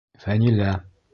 Фәнилә!..